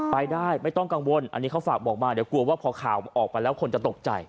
ไปได้ไม่ต้องกังวลอันนี้เขาฝากบอกมาเดี๋ยวกลัวว่าพอข่าวออกไปแล้วคนจะตกใจ